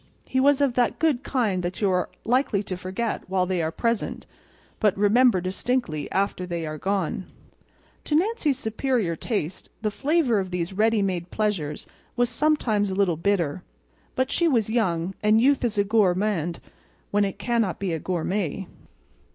He was of that good kind that you are likely to forget while they are present, but remember distinctly after they are gone. To Nancy's superior taste the flavor of these ready made pleasures was sometimes a little bitter: but she was young; and youth is a gourmand, when it cannot be a gourmet.